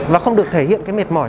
và không được thể hiện cái mệt mỏi